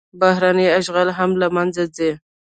بهرنی اشغال هم له منځه ځي.